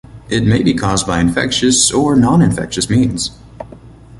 It may be caused by infectious or noninfectious means.